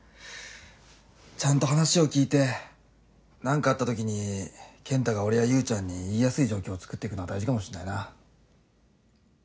ちゃんと話を聞いて何かあったときに健太が俺や侑ちゃんに言いやすい状況をつくっていくのは大事かもしんないな。